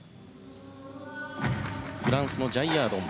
フランスのジャイヤードン。